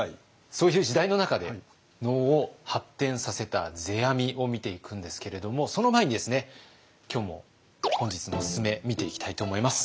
そういう時代の中で能を発展させた世阿弥を見ていくんですけれどもその前にですね今日も本日のおすすめ見ていきたいと思います。